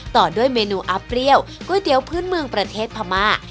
ต่อด้วยเมนูอาเปรี้ยวก๋วยเตี๋ยวพื้นเมืองประเทศพม่า